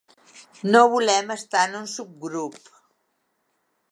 No volem estar en un subgrup.